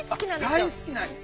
あっ大好きなんや。